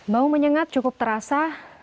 bau menyengat cukup terasa